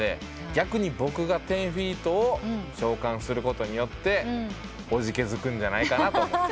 逆に僕が１０−ＦＥＥＴを召喚することによっておじけづくんじゃないかなと思って。